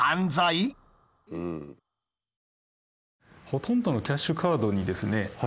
ほとんどのキャッシュカードにですね